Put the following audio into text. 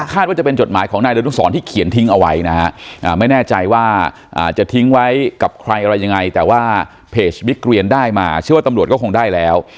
ว่าจะเป็นจดหมายของนายดนุสรที่เขียนทิ้งเอาไว้นะฮะไม่แน่ใจว่าจะทิ้งไว้กับใครอะไรยังไงแต่ว่าเพจบิ๊กเรียนได้มาเชื่อว่าตำรวจก็คงได้แล้ว